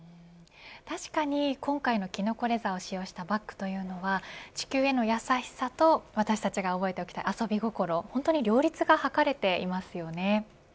確かに今回のキノコレザーを使用したバッグというのは地球への優しさと私たちが覚えてきた遊び心両立が図れています。